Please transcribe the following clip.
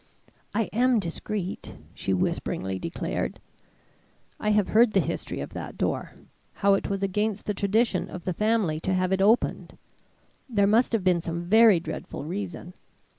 "I am discreet," she whisperingly declared. "I have heard the history of that door how it was against the tradition of the family to have it opened. There must have been some very dreadful reason.